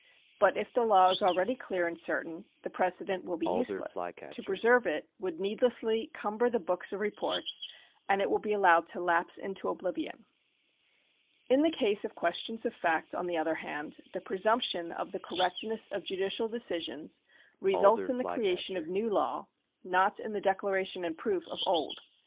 But if the law is already clear and certain, the pre cedent will be useless ; to preserve it would needlessly cumber the books of reports, and it will be allowed to lapse into oblivion. In the case of questions of fact, on the other hand, the presumption of the correctness of judicial decisions results in the creation of new law, not in the declaration and proof of old.